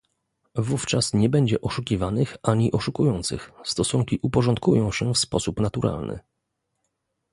"Wówczas nie będzie oszukiwanych ani oszukujących, stosunki uporządkują się w sposób naturalny."